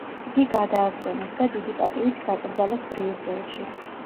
იგი გადაასვენეს და დიდი პატივით დაკრძალეს ბრიუსელში.